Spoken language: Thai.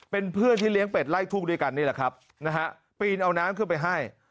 เป็นเพื่อนที่เลี้ยงเป็ดไล่ทุ่งด้วยกันนี่แหละครับนะฮะปีนเอาน้ำขึ้นไปให้